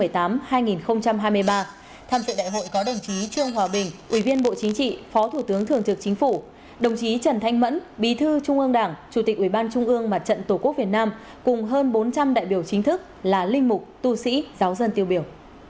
tham dự đại hội có đồng chí trương hòa bình ủy viên bộ chính trị phó thủ tướng thường trực chính phủ đồng chí trần thanh mẫn bí thư trung ương đảng chủ tịch ủy ban trung ương mặt trận tổ quốc việt nam cùng hơn bốn trăm linh đại biểu chính thức là linh mục tu sĩ giáo dân tiêu biểu